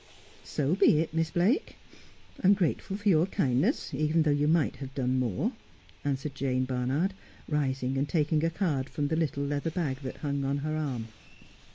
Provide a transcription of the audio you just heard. ' So be it, Miss Blake. I am grateful for your kindness, even though you might have done more,' answered Jane Barnard, rising and taking a card from a little leather bag that hung on her arm.